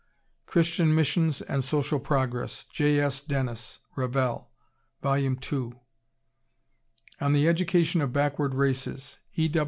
Christian Missions and Social Progress, J. S. Dennis. (Revell) vol. ii. "On the Education of Backward Races," E.